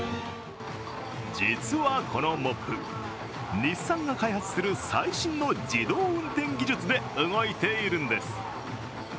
実はこのモップ、日産が開発する最新の自動運転技術で動いているんです。